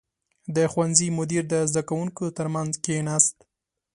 • د ښوونځي مدیر د زده کوونکو تر منځ کښېناست.